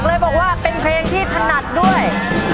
เจอวาดจำดี